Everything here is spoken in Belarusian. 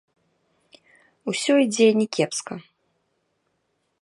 Усё ідзе не кепска.